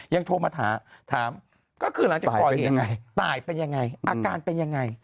โทรมาถามถามก็คือหลังจากก่อเหตุตายเป็นยังไงอาการเป็นยังไง